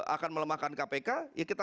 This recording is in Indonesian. akan melemahkan kpk ya kita